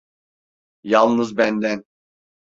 Yalnız benden…